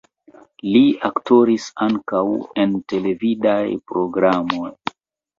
Li aktoris ankaŭ en televidaj programoj.